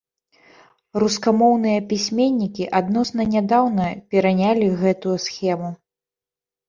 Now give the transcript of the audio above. Рускамоўныя пісьменнікі адносна нядаўна перанялі гэтую схему.